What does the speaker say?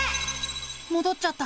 もどっちゃった。